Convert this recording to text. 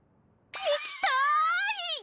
いきたい！